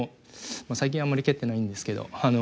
まあ最近あまり蹴ってないんですけど。